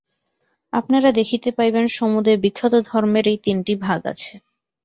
আপনারা দেখিতে পাইবেন, সমুদয় বিখ্যাত ধর্মের এই তিনটি ভাগ আছে।